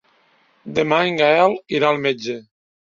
Demà en Gaël irà al metge.